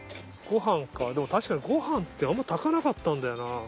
飯かでも確かにご飯ってあんま炊かなかったんだよな。